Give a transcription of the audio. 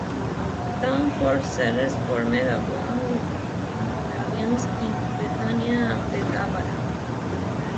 Town Fork settlers formed a bond with Moravians in Bethania and Bethabara.